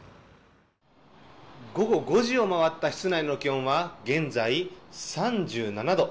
午後５時を回った室内の気温は現在、３７度。